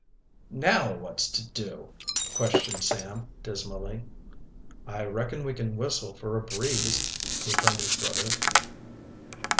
"Now what's to do?" questioned Sam dismally. "I reckon we can whistle for a breeze," returned his brother.